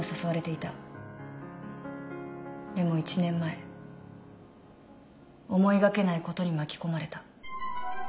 でも１年前思いがけないことに巻き込まれた。